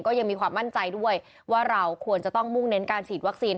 ยังมีความมั่นใจด้วยว่าเราควรจะต้องมุ่งเน้นการฉีดวัคซีน